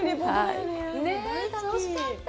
楽しかった。